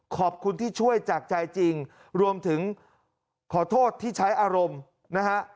ขอบคุณที่ช่วยจากใจจริงรวมถึงขอโทษที่ใช้อารมณ์นะฮะ